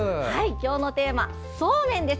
今日のテーマはそうめんです。